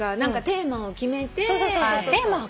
テーマを決めて。